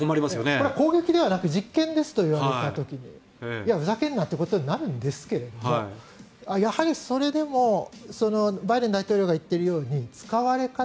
これは攻撃ではなく実験ですと言われた時にいや、ふざけんなということになるんですがやはりそれでもバイデン大統領が言っているように使われ方